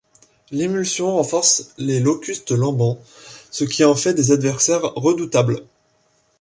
L'imulsion renforce les Locustes Lambents, ce qui en fait des adversaires redoutables.